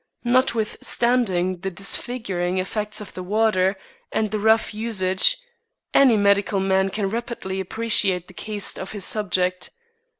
Notwithstanding the disfiguring effects of the water and rough usage, any medical man can rapidly appreciate the caste of his subject.